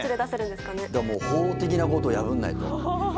もう法的なことを破らないと。